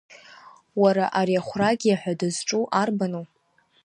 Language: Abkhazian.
Уара, ари ахәрагьиа ҳәа дызҿу арбану?